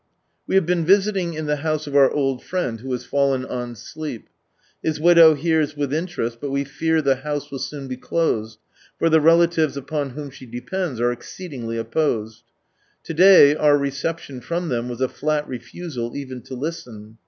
We have been visiting in the house of our old friend who has fallen on sleep. His widow hears with interest, but we fear the house will soon be closed, for the relatives upon whom she depends are exceedingly opposed. To day our reception from them, was a flat refusal even to listen.